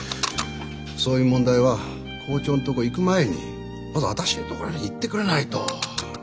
そういう問題は校長のとこ行く前にまず私のところに言ってくれないと。